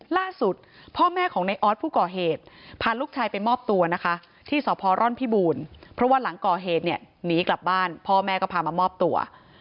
ล่าสุดพ่อแม่ของในออสผู้ก่อเหตุพาลูกชายไปมอบตัวนะคะที่สพร่อนพิบูรณ์เพราะว่าหลังก่อเหตุเนี่ยหนีกลับบ้านพ่อแม่ก็พามามอบตัว